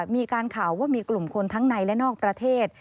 มีการข่าวว่ามีกลุ่มคนทั้งในและนอกประเทศ